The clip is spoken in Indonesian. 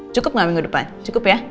cukup nggak minggu depan cukup ya